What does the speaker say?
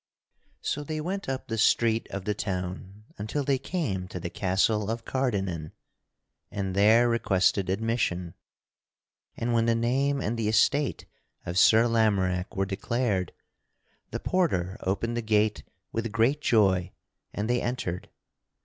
So they went up the street of the town until they came to the castle of Cardennan and there requested admission. And when the name and the estate of Sir Lamorack were declared, the porter opened the gate with great joy and they entered.